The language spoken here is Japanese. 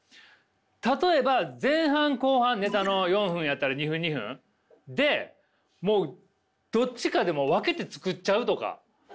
例えば前半後半ネタの４分やったら２分２分でもうどっちかで分けて作っちゃうとか。